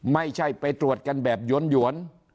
ไม่ใช่ไปตรวจกันแบบหยวน